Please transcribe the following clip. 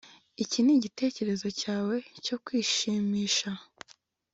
Iki nigitekerezo cyawe cyo kwishimisha